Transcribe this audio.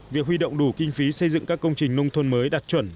việc huy động đủ kinh phí xây dựng các công trình nông thôn mới đạt chuẩn